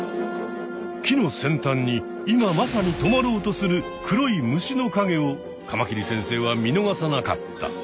木の先端に今まさにとまろうとする黒い虫のかげをカマキリ先生は見逃さなかった。